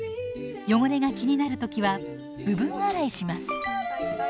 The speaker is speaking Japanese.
汚れが気になる時は部分洗いします。